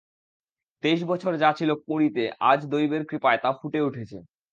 তেইশ বছর যা ছিল কুঁড়িতে, আজ দৈবের কৃপায় তা ফুটে উঠেছে।